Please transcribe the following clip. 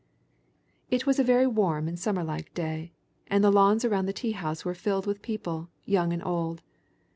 It was a very warm and summer like day, and the lawns around the tea house were filled with people, young and old.